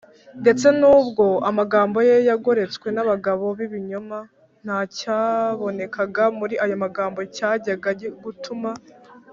ndetse n’ubwo amagambo ye yagoretswe n’abagabo b’ibinyoma, nta cyabonekaga muri ayo magambo cyajyaga gutuma